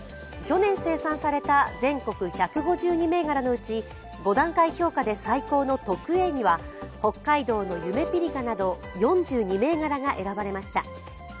去年生産された全国１５２銘柄のうち５段階評価が最高の特Ａには、北海道のゆめぴりかなど４２銘柄が選ばれました。